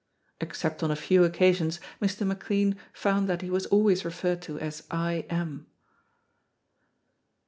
Except on a few occasions Mr. McLean found that he was always referred to as I M